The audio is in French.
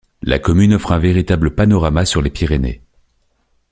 La commune offre un véritable panorama sur les Pyrénées.